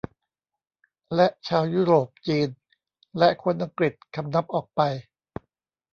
และชาวยุโรปจีนและคนอังกฤษคำนับออกไป